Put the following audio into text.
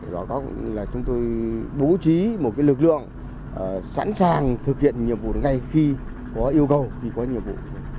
rõ rõ là chúng tôi bố trí một lực lượng sẵn sàng thực hiện nhiệm vụ ngay khi có yêu cầu khi có nhiệm vụ